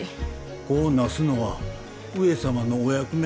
子をなすのは上様のお役目。